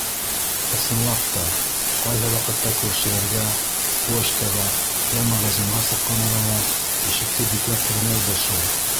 Ысынлап та, ҡайһы ваҡытта күршеләргә, почтаға йә магазинға сыҡҡан арала ишекте бикләп тормайбыҙ шул.